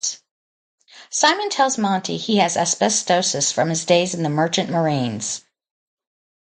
Simon tells Monty he has asbestosis from his days in the Merchant Marines.